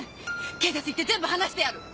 警察に行って全部話してやる！